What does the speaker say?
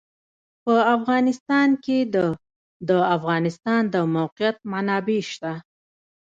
په افغانستان کې د د افغانستان د موقعیت منابع شته.